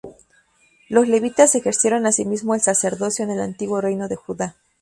Los levitas ejercieron asimismo el sacerdocio en el antiguo reino de Judá.